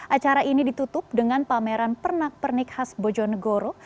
acara ini ditutup dengan pameran pernik pernik khas bojo nagoro